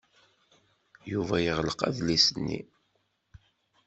Yuba yeɣleq adlis-nni.